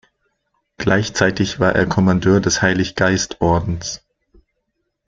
Gleichzeitig war er Kommandeur des Heilig-Geist-Ordens.